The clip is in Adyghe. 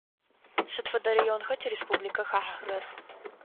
Сыд фэдэ районха тиреспубликэ хахьэхэрэр?